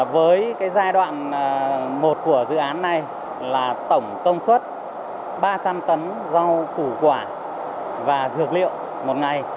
với giai đoạn một của dự án này là tổng công suất ba trăm linh tấn rau củ quả và dược liệu một ngày